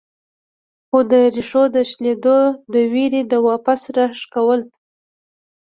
خو د ريښو د شلېدو د وېرې د واپس راښکلو